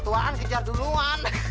tuan kejar duluan